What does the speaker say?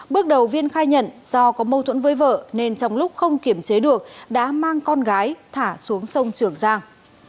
bước đầu viên khai nhận do có mâu thuẫn với vợ nên trong lúc không kiểm chế được đã mang con gái thả xuống sông trường giang